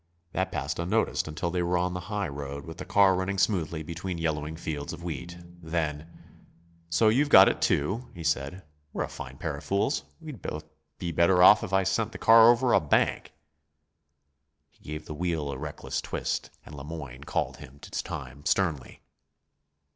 That passed unnoticed until they were on the highroad, with the car running smoothly between yellowing fields of wheat. Then: "So you've got it too!" he said. "We're a fine pair of fools. We'd both be better off if I sent the car over a bank." He gave the wheel a reckless twist, and Le Moyne called him to time sternly.